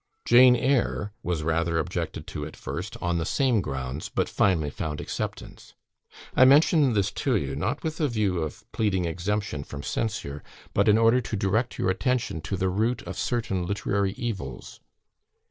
"'Jane Eyre' was rather objected to at first, on the same grounds, but finally found acceptance. "I mention this to you, not with a view of pleading exemption from censure, but in order to direct your attention to the root of certain literary evils.